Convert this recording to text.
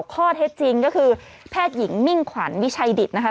ข้อเท็จจริงก็คือแพทย์หญิงมิ่งขวัญวิชัยดิตนะคะ